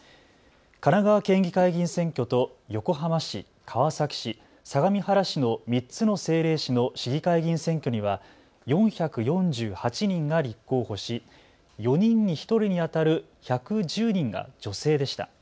神奈川県議会議員選挙と横浜市、川崎市、相模原市の３つの政令市の市議会議員選挙には４４８人が立候補し４人に１人にあたる１１０人が女性でした。